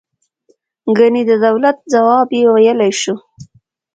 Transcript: ګنې د دولت ځواب یې ویلای شو.